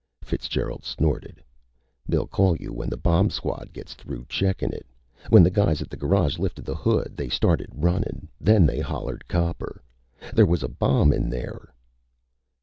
Fitzgerald snorted. "They'll call you when the bomb squad gets through checkin' it! When the guys at the garage lifted the hood they started runnin'. Then they hollered copper. There was a bomb in there!"